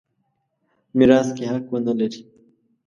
میراث کې حق ونه لري.